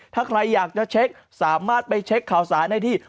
ถ้าใครอยากจะเช็คสามารถไปเช็คข่าวสารได้ที่